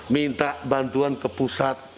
minta bantuan ke pusat